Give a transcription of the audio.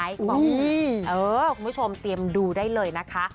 คุณผู้ชมเตรียมดูได้เลยนะคะ